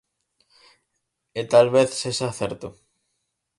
E talvez sexa certo.